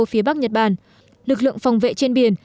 phía bắc nhật bản lực lượng phòng vệ trên biển